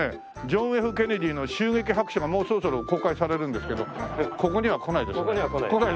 ジョン・Ｆ・ケネディの襲撃白書がもうそろそろ公開されるんですけどここには来ないですかね？来ないですか。